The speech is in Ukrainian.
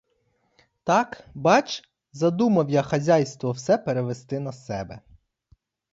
Так, бач, задумав я хазяйство все перевести на себе!